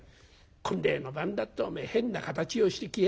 婚礼の晩だっておめえ変な形をしてきやがって。